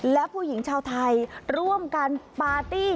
และผู้หญิงชาวไทยร่วมกันปาร์ตี้